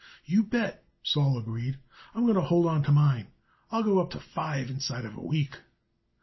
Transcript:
"You bet," Sol agreed. "I'm going to hold on to mine. It'll go up to five inside of a week."